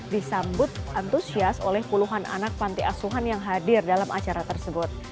disambut antusias oleh puluhan anak panti asuhan yang hadir dalam acara tersebut